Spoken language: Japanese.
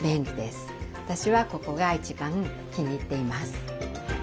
私はここが一番気に入っています。